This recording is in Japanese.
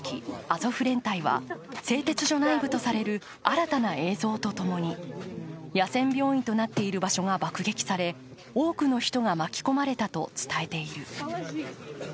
アゾフ連隊は製鉄所内部とされる新たな映像とともに、野戦病院となっている場所が爆撃され多くの人が巻き込まれたと伝えている。